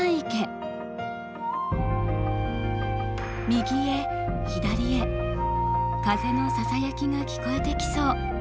右へ左へ風のささやきが聞こえてきそう。